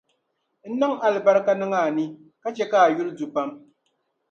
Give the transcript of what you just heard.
N ni niŋ alibarika niŋ a ni, ka chɛ ka a yuli du pam.